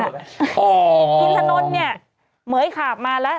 อินถนนเนี่ยเหมือยขาบมาแล้ว